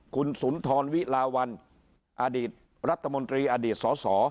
คุณสุนทรวิลาวันอดีตรัฐมนตรีอดีตสส